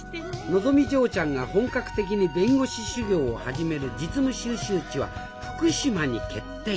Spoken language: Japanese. のぞみ嬢ちゃんが本格的に弁護士修業を始める実務修習地は福島に決定！